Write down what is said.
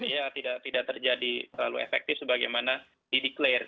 ya tidak terjadi terlalu efektif sebagaimana dideklarasi